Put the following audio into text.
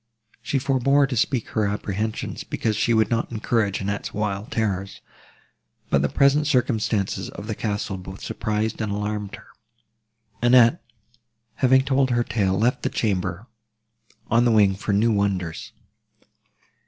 She forbore to speak her apprehensions, because she would not encourage Annette's wild terrors; but the present circumstances of the castle both surprised, and alarmed her. Annette, having told her tale, left the chamber, on the wing for new wonders.